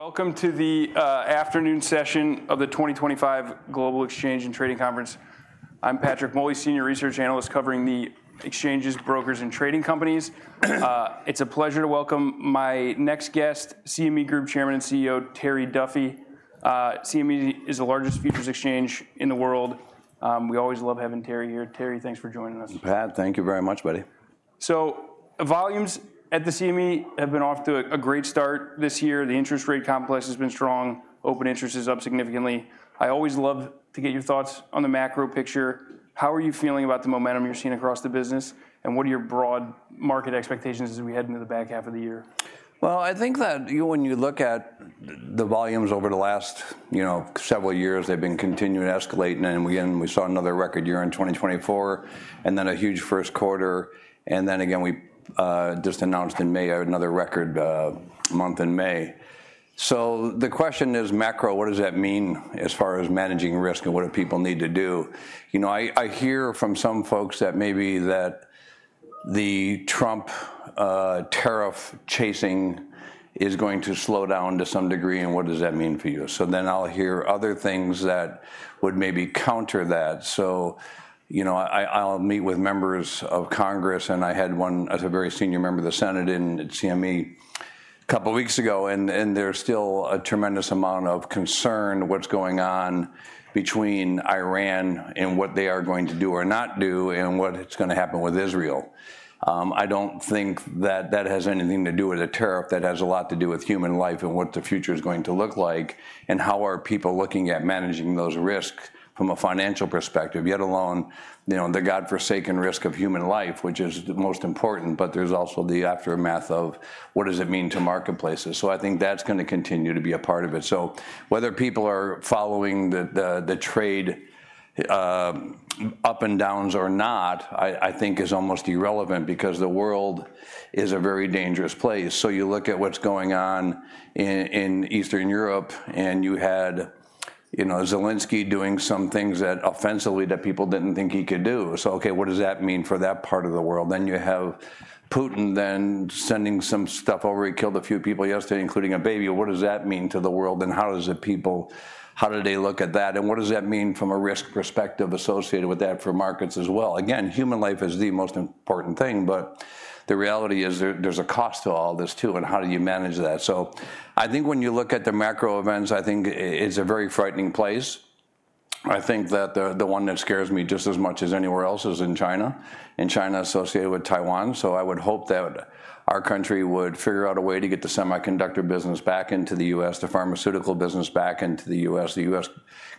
Welcome to the afternoon session of the 2025 Global Exchange and Trading Conference. I'm Patrick Moley, Senior Research Analyst covering the exchanges, brokers, and trading companies. It's a pleasure to welcome my next guest, CME Group Chairman and CEO Terry Duffy. CME is the largest futures exchange in the world. We always love having Terry here. Terry, thanks for joining us. Pat, thank you very much, buddy. Volumes at the CME have been off to a great start this year. The interest rate complex has been strong. Open interest is up significantly. I always love to get your thoughts on the macro picture. How are you feeling about the momentum you're seeing across the business? What are your broad market expectations as we head into the back half of the year? I think that when you look at the volumes over the last several years, they've been continuing to escalate. Again, we saw another record year in 2024, and then a huge first quarter. Again, we just announced in May another record month in May. The question is, macro, what does that mean as far as managing risk and what do people need to do? I hear from some folks that maybe the Trump tariff chasing is going to slow down to some degree. What does that mean for you? I hear other things that would maybe counter that. I meet with members of Congress, and I had one as a very senior member of the Senate in CME a couple of weeks ago. There is still a tremendous amount of concern about what is going on between Iran and what they are going to do or not do and what is going to happen with Israel. I do not think that that has anything to do with a tariff. That has a lot to do with human life and what the future is going to look like and how people are looking at managing those risks from a financial perspective, yet alone the God-forsaken risk of human life, which is the most important. There is also the aftermath of what it means to marketplaces. I think that is going to continue to be a part of it. Whether people are following the trade up and downs or not, I think is almost irrelevant because the world is a very dangerous place. You look at what's going on in Eastern Europe, and you had Zelensky doing some things offensively that people didn't think he could do. OK, what does that mean for that part of the world? You have Putin then sending some stuff over. He killed a few people yesterday, including a baby. What does that mean to the world? How do the people, how do they look at that? What does that mean from a risk perspective associated with that for markets as well? Again, human life is the most important thing. The reality is there's a cost to all this, too. How do you manage that? I think when you look at the macro events, I think it's a very frightening place. I think that the one that scares me just as much as anywhere else is in China, in China associated with Taiwan. I would hope that our country would figure out a way to get the semiconductor business back into the U.S., the pharmaceutical business back into the U.S. The U.S.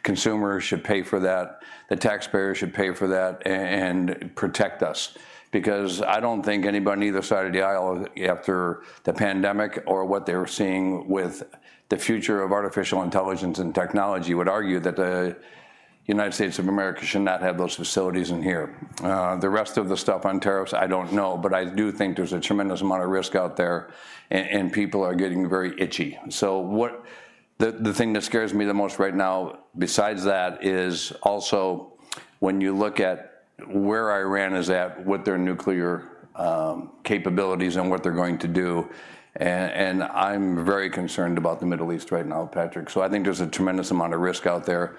consumer should pay for that. The taxpayer should pay for that and protect us. I do not think anybody on either side of the aisle after the pandemic or what they are seeing with the future of artificial intelligence and technology would argue that the United States of America should not have those facilities in here. The rest of the stuff on tariffs, I do not know. I do think there is a tremendous amount of risk out there, and people are getting very itchy. The thing that scares me the most right now, besides that, is also when you look at where Iran is at with their nuclear capabilities and what they're going to do. I'm very concerned about the Middle East right now, Patrick. I think there's a tremendous amount of risk out there.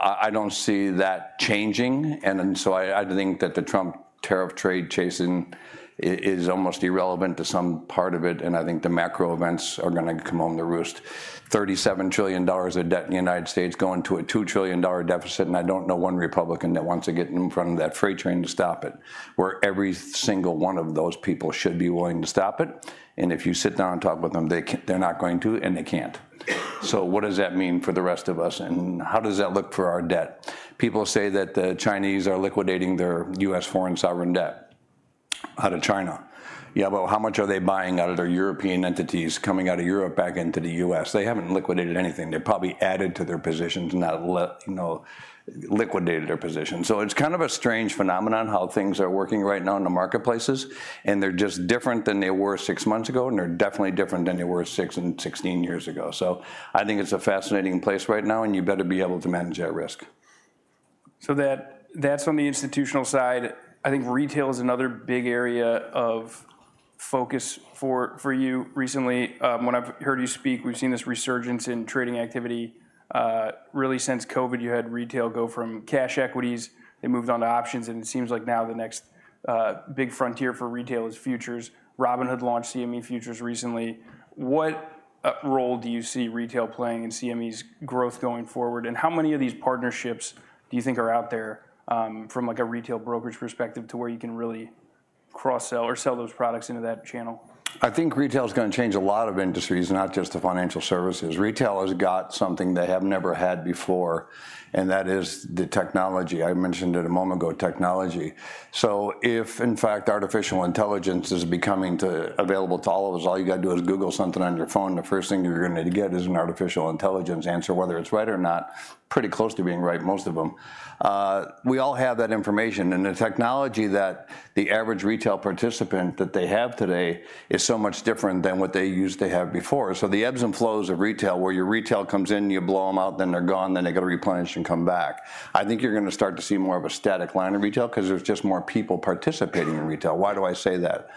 I don't see that changing. I think that the Trump tariff trade chasing is almost irrelevant to some part of it. I think the macro events are going to come on the roost. $37 trillion of debt in the United States going to a $2 trillion deficit. I don't know one Republican that wants to get in front of that freight train to stop it, where every single one of those people should be willing to stop it. If you sit down and talk with them, they're not going to, and they can't. What does that mean for the rest of us? How does that look for our debt? People say that the Chinese are liquidating their U.S. foreign sovereign debt. How to China? Yeah, how much are they buying out of their European entities coming out of Europe back into the U.S.? They haven't liquidated anything. They probably added to their positions and not liquidated their positions. It is kind of a strange phenomenon how things are working right now in the marketplaces. They are just different than they were six months ago. They are definitely different than they were six and 16 years ago. I think it is a fascinating place right now. You better be able to manage that risk. That is on the institutional side. I think retail is another big area of focus for you recently. When I have heard you speak, we have seen this resurgence in trading activity. Really, since COVID, you had retail go from cash equities. They moved on to options. It seems like now the next big frontier for retail is futures. Robinhood launched CME Futures recently. What role do you see retail playing in CME's growth going forward? How many of these partnerships do you think are out there from a retail brokerage perspective to where you can really cross-sell or sell those products into that channel? I think retail is going to change a lot of industries, not just the financial services. Retail has got something they have never had before. That is the technology. I mentioned it a moment ago, technology. If, in fact, artificial intelligence is becoming available to all of us, all you got to do is Google something on your phone. The first thing you're going to get is an artificial intelligence answer, whether it's right or not, pretty close to being right, most of them. We all have that information. The technology that the average retail participant has today is so much different than what they used to have before. The ebbs and flows of retail, where your retail comes in, you blow them out, then they're gone, then they got to replenish and come back. I think you're going to start to see more of a static line of retail because there's just more people participating in retail. Why do I say that?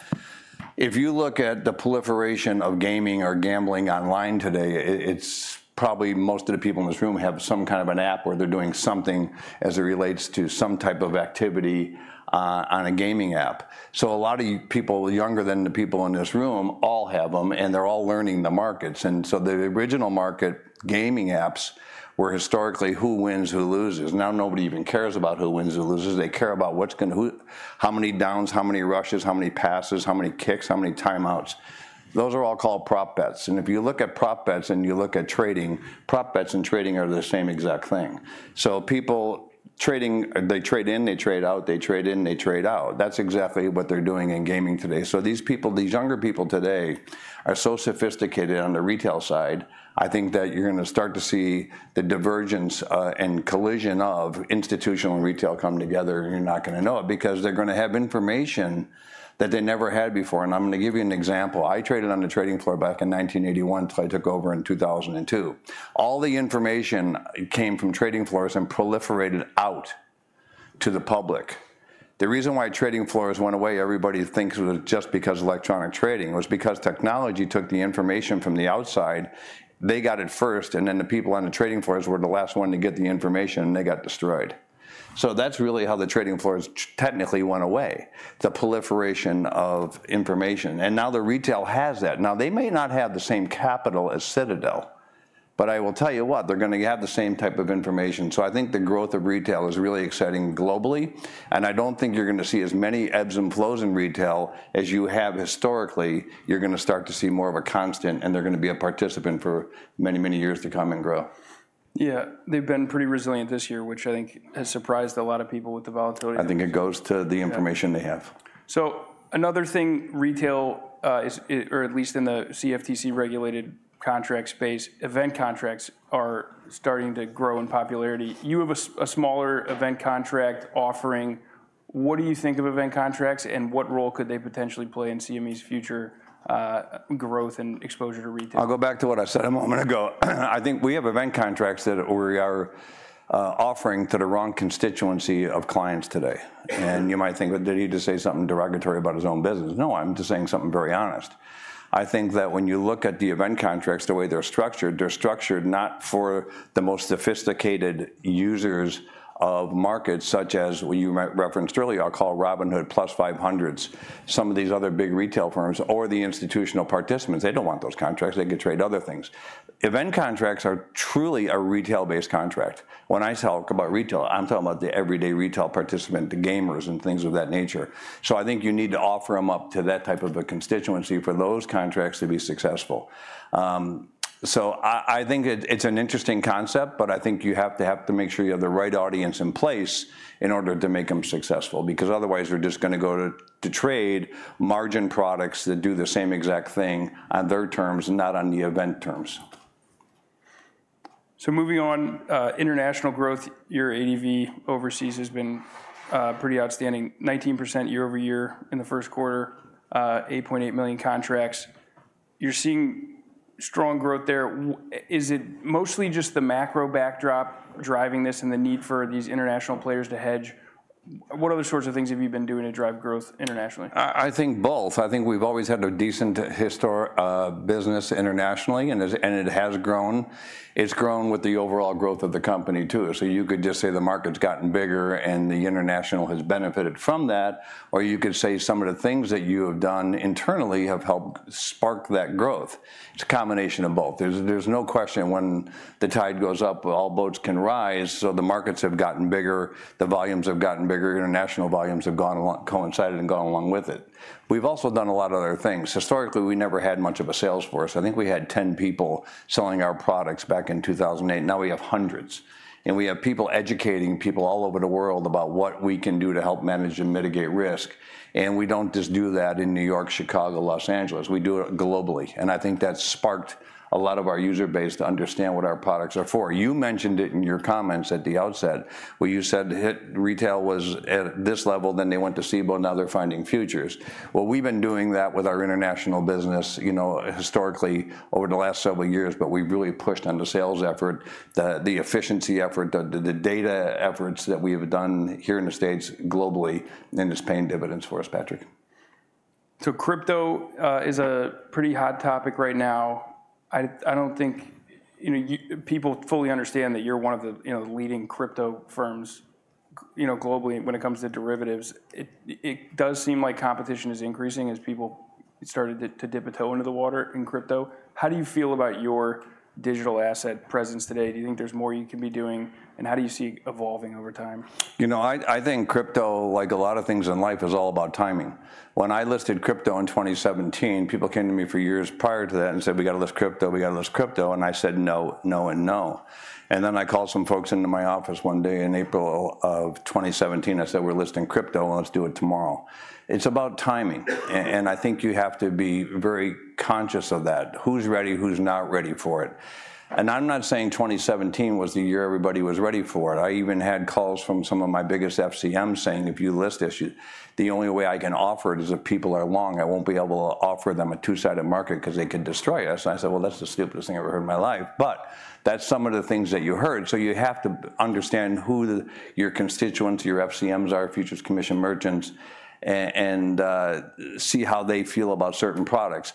If you look at the proliferation of gaming or gambling online today, it's probably most of the people in this room have some kind of an app where they're doing something as it relates to some type of activity on a gaming app. A lot of people younger than the people in this room all have them. They're all learning the markets. The original market gaming apps were historically who wins, who loses. Now nobody even cares about who wins, who loses. They care about how many downs, how many rushes, how many passes, how many kicks, how many timeouts. Those are all called prop bets. If you look at prop bets and you look at trading, prop bets and trading are the same exact thing. People trading, they trade in, they trade out, they trade in, they trade out. That is exactly what they are doing in gaming today. These people, these younger people today are so sophisticated on the retail side, I think that you are going to start to see the divergence and collision of institutional and retail come together. You are not going to know it because they are going to have information that they never had before. I am going to give you an example. I traded on the trading floor back in 1981 until I took over in 2002. All the information came from trading floors and proliferated out to the public. The reason why trading floors went away, everybody thinks it was just because of electronic trading. It was because technology took the information from the outside. They got it first. Then the people on the trading floors were the last one to get the information. They got destroyed. That is really how the trading floors technically went away, the proliferation of information. Now the retail has that. They may not have the same capital as Citadel. I will tell you what, they are going to have the same type of information. I think the growth of retail is really exciting globally. I do not think you are going to see as many ebbs and flows in retail as you have historically. You are going to start to see more of a constant. They are going to be a participant for many, many years to come and grow. Yeah, they've been pretty resilient this year, which I think has surprised a lot of people with the volatility. I think it goes to the information they have. Another thing, retail, or at least in the CFTC regulated contract space, event contracts are starting to grow in popularity. You have a smaller event contract offering. What do you think of event contracts? What role could they potentially play in CME's future growth and exposure to retail? I'll go back to what I said. I'm going to go. I think we have event contracts that we are offering to the wrong constituency of clients today. You might think, did he just say something derogatory about his own business? No, I'm just saying something very honest. I think that when you look at the event contracts, the way they're structured, they're structured not for the most sophisticated users of markets, such as what you referenced earlier, I'll call Robinhood plus 500s, some of these other big retail firms, or the institutional participants. They do not want those contracts. They could trade other things. Event contracts are truly a retail-based contract. When I talk about retail, I'm talking about the everyday retail participant, the gamers, and things of that nature. I think you need to offer them up to that type of a constituency for those contracts to be successful. I think it's an interesting concept. I think you have to make sure you have the right audience in place in order to make them successful. Otherwise, they're just going to go to trade margin products that do the same exact thing on their terms, not on the event terms. Moving on, international growth, your AV overseas has been pretty outstanding, 19% year over year in the first quarter, 8.8 million contracts. You're seeing strong growth there. Is it mostly just the macro backdrop driving this and the need for these international players to hedge? What other sorts of things have you been doing to drive growth internationally? I think both. I think we've always had a decent business internationally. And it has grown. It's grown with the overall growth of the company, too. You could just say the market's gotten bigger, and the international has benefited from that. Or you could say some of the things that you have done internally have helped spark that growth. It's a combination of both. There's no question when the tide goes up, all boats can rise. The markets have gotten bigger. The volumes have gotten bigger. International volumes have coincided and gone along with it. We've also done a lot of other things. Historically, we never had much of a sales force. I think we had 10 people selling our products back in 2008. Now we have hundreds. We have people educating people all over the world about what we can do to help manage and mitigate risk. We do not just do that in New York, Chicago, Los Angeles. We do it globally. I think that has sparked a lot of our user base to understand what our products are for. You mentioned it in your comments at the outset where you said retail was at this level, then they went to Cboe, now they are finding futures. We have been doing that with our international business historically over the last several years. We have really pushed on the sales effort, the efficiency effort, the data efforts that we have done here in the States globally. It is paying dividends for us, Patrick. Crypto is a pretty hot topic right now. I don't think people fully understand that you're one of the leading Crypto firms globally when it comes to derivatives. It does seem like competition is increasing as people started to dip a toe into the water in crypto. How do you feel about your digital asset presence today? Do you think there's more you can be doing? How do you see it evolving over time? You know. I think Crypto, like a lot of things in life, is all about timing. When I listed Crypto in 2017, people came to me for years prior to that and said, we got to list Crypto. We got to list Crypto. I said, no, no, and no. I called some folks into my office one day in April of 2017. I said, we're listing Crypto. Let's do it tomorrow. It's about timing. I think you have to be very conscious of that, who's ready, who's not ready for it. I'm not saying 2017 was the year everybody was ready for it. I even had calls from some of my biggest FCMs saying, if you list this, the only way I can offer it is if people are long. I won't be able to offer them a two-sided market because they could destroy us. That is the stupidest thing I have ever heard in my life. That is some of the things that you heard. You have to understand who your constituents, your FCMs, are, Futures Commission Merchants, and see how they feel about certain products.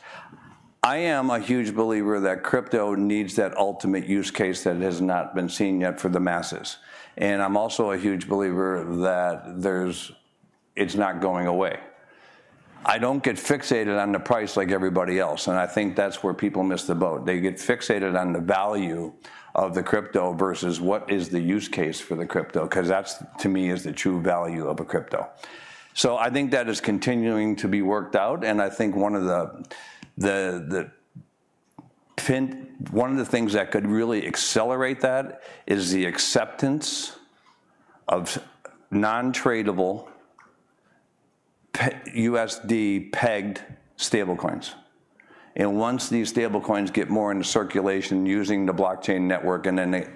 I am a huge believer that Crypto needs that ultimate use case that has not been seen yet for the masses. I am also a huge believer that it is not going away. I do not get fixated on the price like everybody else. I think that is where people miss the boat. They get fixated on the value of the Crypto versus what is the use case for the Crypto. That, to me, is the true value of a Crypto. I think that is continuing to be worked out. I think one of the things that could really accelerate that is the acceptance of non-tradable USD pegged stablecoins. Once these stablecoins get more into circulation using the blockchain network and then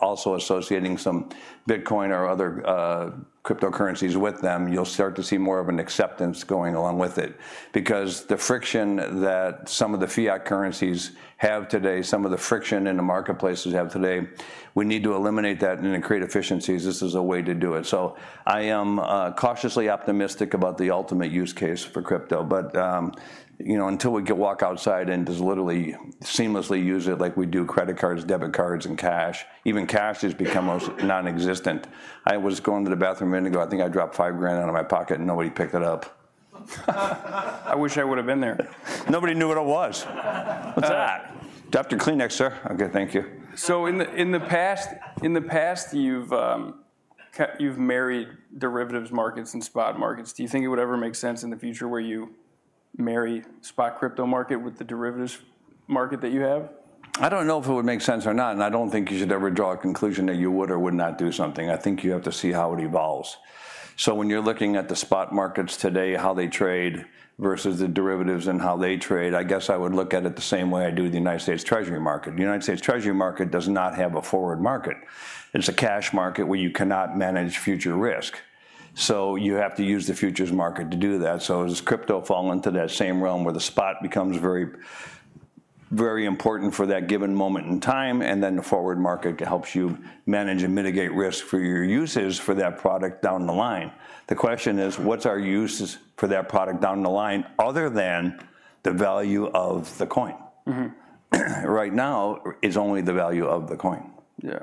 also associating some Bitcoin or other cryptocurrencies with them, you'll start to see more of an acceptance going along with it. The friction that some of the fiat currencies have today, some of the friction in the marketplaces have today, we need to eliminate that and create efficiencies. This is a way to do it. I am cautiously optimistic about the ultimate use case for Crypto. Until we can walk outside and just literally seamlessly use it like we do credit cards, debit cards, and cash, even cash has become almost nonexistent. I was going to the bathroom a minute ago. I think I dropped $5,000 out of my pocket. Nobody picked it up. I wish I would have been there. Nobody knew what it was. What's that? Dr. Kleineck, sir. OK, thank you. In the past, you've married derivatives markets and spot markets. Do you think it would ever make sense in the future where you marry spot Crypto market with the derivatives market that you have? I don't know if it would make sense or not. I don't think you should ever draw a conclusion that you would or would not do something. I think you have to see how it evolves. When you're looking at the spot markets today, how they trade versus the derivatives and how they trade, I guess I would look at it the same way I do the United States Treasury market. The United States Treasury market does not have a forward market. It's a cash market where you cannot manage future risk. You have to use the futures market to do that. Has Crypto fallen into that same realm where the spot becomes very important for that given moment in time? The forward market helps you manage and mitigate risk for your uses for that product down the line. The question is, what's our use for that product down the line other than the value of the coin? Right now, it's only the value of the coin. Yeah,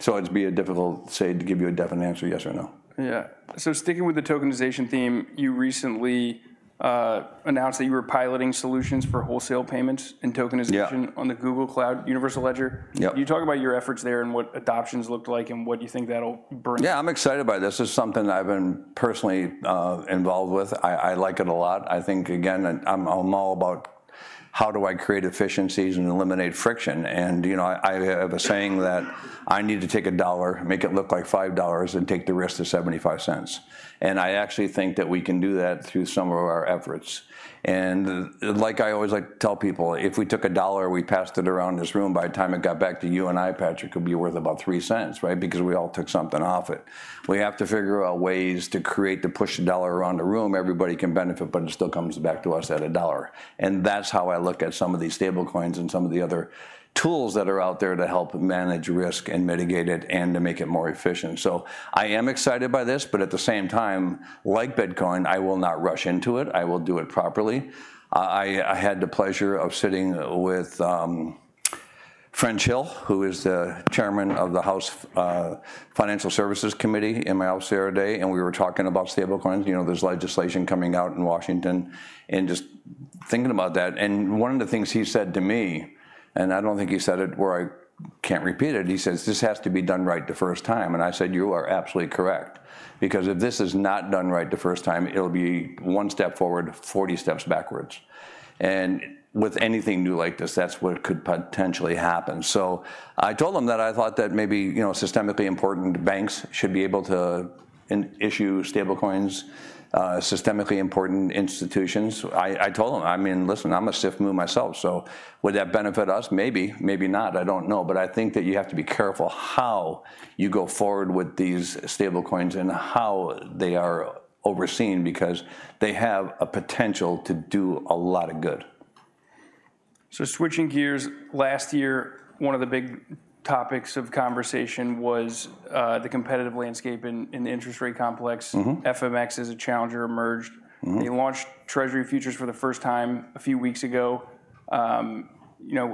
so it'd be difficult to say, to give you a definite answer, yes or no. Yeah. Sticking with the tokenization theme, you recently announced that you were piloting solutions for wholesale payments and tokenization on the Google Cloud Universal Ledger. Can you talk about your efforts there and what adoption's looked like and what you think that'll bring? Yeah, I'm excited by this. This is something I've been personally involved with. I like it a lot. I think, again, I'm all about how do I create efficiencies and eliminate friction. I have a saying that I need to take a dollar, make it look like $5, and take the risk to $0.75. I actually think that we can do that through some of our efforts. Like I always tell people, if we took a dollar and we passed it around this room, by the time it got back to you and I, Patrick, it could be worth about $0.03, right? Because we all took something off it. We have to figure out ways to create the push dollar around the room. Everybody can benefit. It still comes back to us at a dollar. That is how I look at some of these stablecoins and some of the other tools that are out there to help manage risk and mitigate it and to make it more efficient. I am excited by this. At the same time, like Bitcoin, I will not rush into it. I will do it properly. I had the pleasure of sitting with French Hill, who is the Chairman of the House Financial Services Committee, in my office the other day. We were talking about stablecoins. You know, there is legislation coming out in Washington. Just thinking about that, and one of the things he said to me, and I do not think he said it where I cannot repeat it, he says, this has to be done right the first time. I said, you are absolutely correct. Because if this is not done right the first time, it'll be one step forward, 40 steps backwards. With anything new like this, that's what could potentially happen. I told him that I thought that maybe systemically important banks should be able to issue stablecoins, systemically important institutions. I told him, I mean, listen, I'm a stiff move myself. Would that benefit us? Maybe, maybe not. I don't know. I think that you have to be careful how you go forward with these stablecoins and how they are overseen. They have a potential to do a lot of good. Switching gears, last year, one of the big topics of conversation was the competitive landscape in the interest rate complex. FMX as a challenger emerged. They launched Treasury Futures for the first time a few weeks ago. I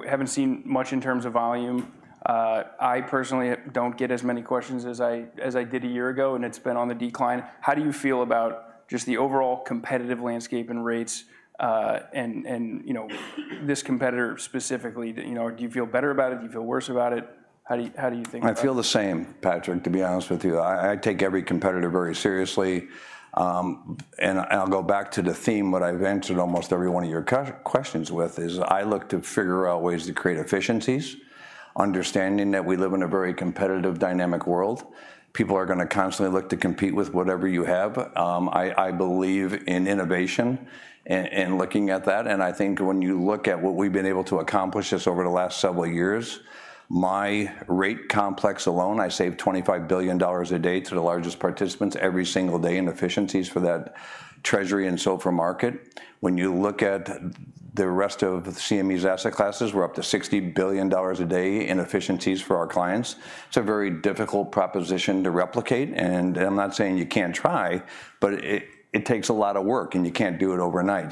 have not seen much in terms of volume. I personally do not get as many questions as I did a year ago. It has been on the decline. How do you feel about just the overall competitive landscape in rates and this competitor specifically? Do you feel better about it? Do you feel worse about it? How do you think? I feel the same, Patrick, to be honest with you. I take every competitor very seriously. I will go back to the theme that I have answered almost every one of your questions with, is I look to figure out ways to create efficiencies, understanding that we live in a very competitive, dynamic world. People are going to constantly look to compete with whatever you have. I believe in innovation and looking at that. I think when you look at what we have been able to accomplish just over the last several years, my rate complex alone, I save $25 billion a day to the largest participants every single day in efficiencies for that Treasury and SOFR market. When you look at the rest of CME's asset classes, we are up to $60 billion a day in efficiencies for our clients. It is a very difficult proposition to replicate. I'm not saying you can't try. It takes a lot of work. You can't do it overnight.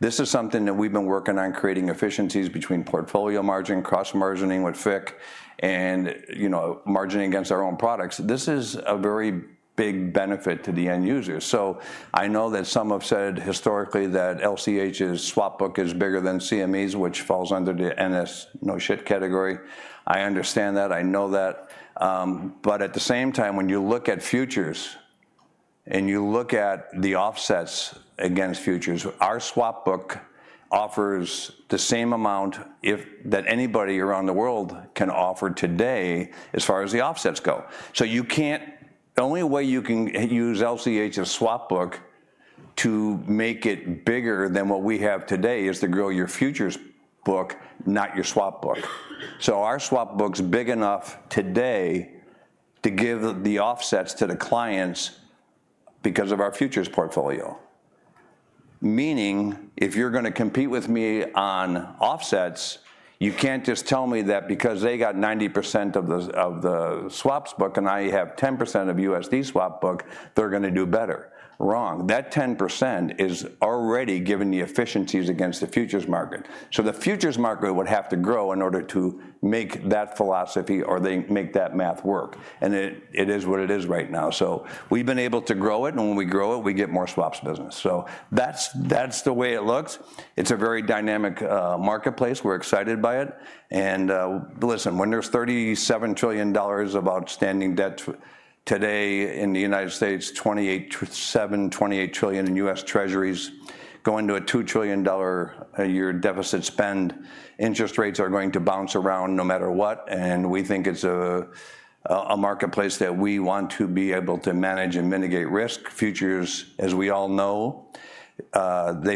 This is something that we've been working on, creating efficiencies between portfolio margin, cross-margining with FICC, and margining against our own products. This is a very big benefit to the end user. I know that some have said historically that LCH's swap book is bigger than CME's, which falls under the NS no shit category. I understand that. I know that. At the same time, when you look at futures and you look at the offsets against futures, our swap book offers the same amount that anybody around the world can offer today as far as the offsets go. The only way you can use LCH's swap book to make it bigger than what we have today is to grow your futures book, not your swap book. Our swap book is big enough today to give the offsets to the clients because of our futures portfolio. Meaning, if you are going to compete with me on offsets, you cannot just tell me that because they have 90% of the swaps book and I have 10% of USD swap book, they are going to do better. Wrong. That 10% is already giving the efficiencies against the futures market. The futures market would have to grow in order to make that philosophy or make that math work. It is what it is right now. We have been able to grow it. When we grow it, we get more swaps business. That is the way it looks. It's a very dynamic marketplace. We're excited by it. Listen, when there's $37 trillion of outstanding debt today in the United States, $28 trillion in US Treasuries going to a $2 trillion a year deficit spend, interest rates are going to bounce around no matter what. We think it's a marketplace that we want to be able to manage and mitigate risk. Futures, as we all know,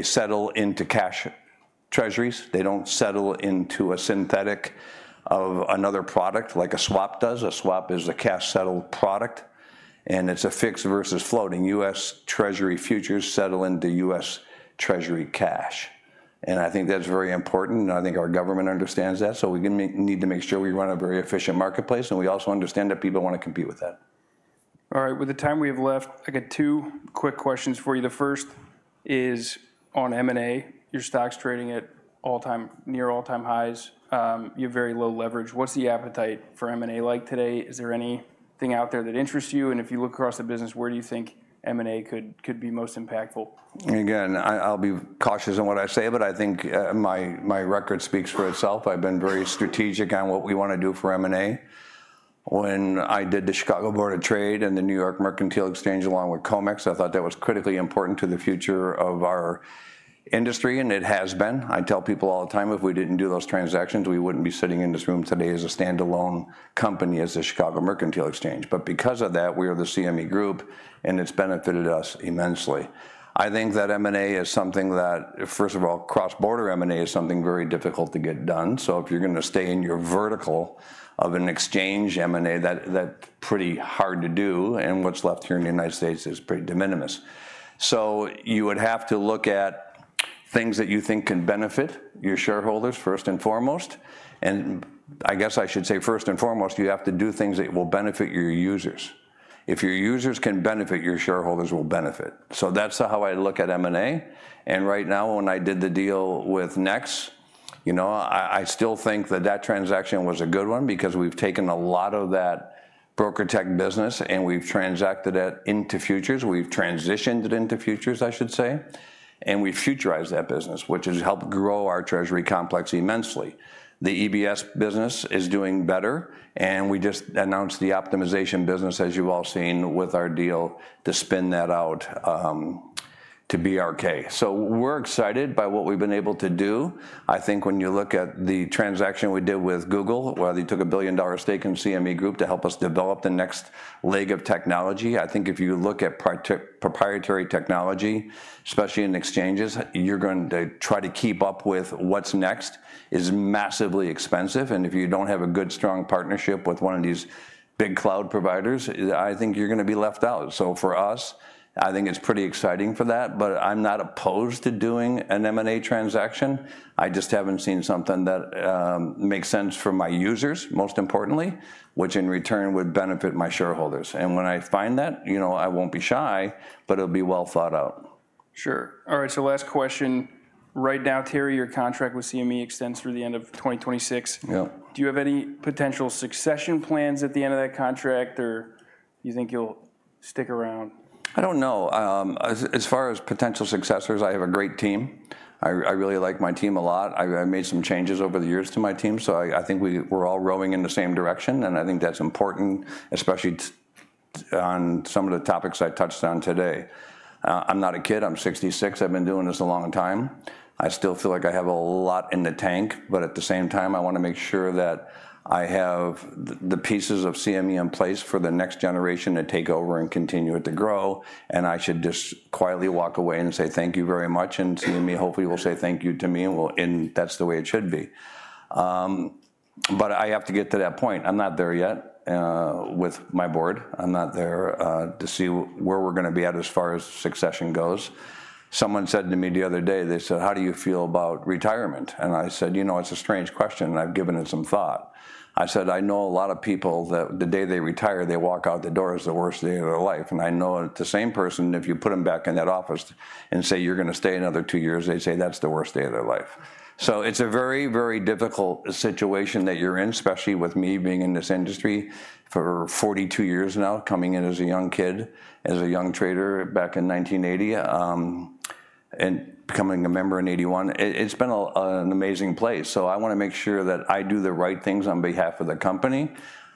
settle into cash Treasuries. They don't settle into a synthetic of another product like a swap does. A swap is a cash-settled product, and it's a fixed versus floating. US Treasury futures settle into US Treasury cash. I think that's very important. I think our government understands that. We need to make sure we run a very efficient marketplace. We also understand that people want to compete with that. All right. With the time we have left, I got two quick questions for you. The first is on M&A. Your stock's trading at near all-time highs. You have very low leverage. What's the appetite for M&A like today? Is there anything out there that interests you? If you look across the business, where do you think M&A could be most impactful? Again, I'll be cautious in what I say. I think my record speaks for itself. I've been very strategic on what we want to do for M&A. When I did the Chicago Board of Trade and the New York Mercantile Exchange along with COMEX, I thought that was critically important to the future of our industry. It has been. I tell people all the time, if we didn't do those transactions, we wouldn't be sitting in this room today as a standalone company as the Chicago Mercantile Exchange. Because of that, we are the CME Group. It's benefited us immensely. I think that M&A is something that, first of all, cross-border M&A is something very difficult to get done. If you're going to stay in your vertical of an exchange, M&A, that's pretty hard to do. What's left here in the U.S. is pretty de minimis. You would have to look at things that you think can benefit your shareholders, first and foremost. I guess I should say, first and foremost, you have to do things that will benefit your users. If your users can benefit, your shareholders will benefit. That's how I look at M&A. Right now, when I did the deal with Nex, I still think that that transaction was a good one. We've taken a lot of that broker tech business and we've transacted it into futures. We've transitioned it into futures, I should say. We've futurized that business, which has helped grow our Treasury complex immensely. The EBS business is doing better. We just announced the optimization business, as you've all seen with our deal, to spin that out to BRK. We're excited by what we've been able to do. I think when you look at the transaction we did with Google, where they took a $1 billion stake in CME Group to help us develop the next leg of technology, I think if you look at proprietary technology, especially in exchanges, you're going to try to keep up with what's next is massively expensive. If you don't have a good, strong partnership with one of these big cloud providers, I think you're going to be left out. For us, I think it's pretty exciting for that. I'm not opposed to doing an M&A transaction. I just haven't seen something that makes sense for my users, most importantly, which in return would benefit my shareholders. When I find that, I won't be shy. It'll be well thought out. Sure. All right. So last question. Right now, Terry, your contract with CME extends through the end of 2026. Do you have any potential succession plans at the end of that contract? Or do you think you'll stick around? I don't know. As far as potential successors, I have a great team. I really like my team a lot. I've made some changes over the years to my team. I think we're all rowing in the same direction. I think that's important, especially on some of the topics I touched on today. I'm not a kid. I'm 66. I've been doing this a long time. I still feel like I have a lot in the tank. At the same time, I want to make sure that I have the pieces of CME in place for the next generation to take over and continue it to grow. I should just quietly walk away and say thank you very much. CME, hopefully, will say thank you to me. That's the way it should be. I have to get to that point. I'm not there yet with my board. I'm not there to see where we're going to be at as far as succession goes. Someone said to me the other day, they said, how do you feel about retirement? I said, you know, it's a strange question. I've given it some thought. I said, I know a lot of people that the day they retire, they walk out the door as the worst day of their life. I know the same person, if you put them back in that office and say, you're going to stay another two years, they say, that's the worst day of their life. It's a very, very difficult situation that you're in, especially with me being in this industry for 42 years now, coming in as a young kid, as a young trader back in 1980, and becoming a member in 1981. It's been an amazing place. I want to make sure that I do the right things on behalf of the company.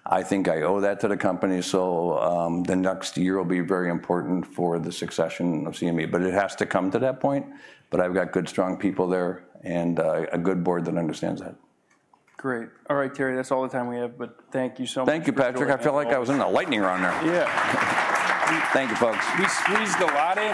I think I owe that to the company. The next year will be very important for the succession of CME. It has to come to that point. I've got good, strong people there and a good board that understands that. Great. All right, Terry. That's all the time we have. But thank you so much. Thank you, Patrick. I felt like I was in a lightning round there. Yeah. Thank you, folks. We squeezed a lot in.